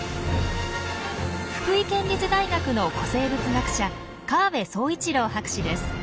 福井県立大学の古生物学者河部壮一郎博士です。